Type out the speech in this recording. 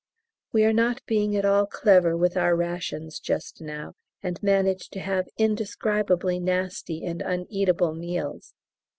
We are not being at all clever with our rations just now, and manage to have indescribably nasty and uneatable meals!